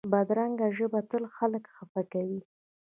بدرنګه ژبه تل خلک خفه کوي